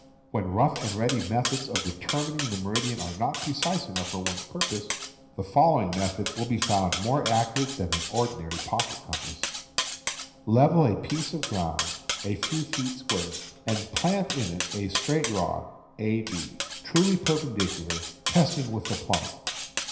When rough and ready methods of determining the meridian are not precise enough for one's purpose, the Fig. 12. To Find the Meridian by Sun. following method will be found more accurate than an ordinary pocket compass: Level a piece of ground a few feet square, and plant in it a straight rod AB, truly perpendicular, testing with a plummet.